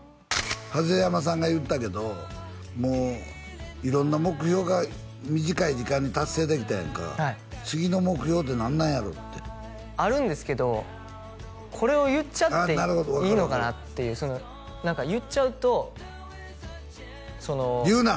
櫨山さんが言ってたけどもう色んな目標が短い時間に達成できたやんか次の目標って何なんやろ？ってあるんですけどこれを言っちゃっていいのかなっていう何か言っちゃうとその言うな！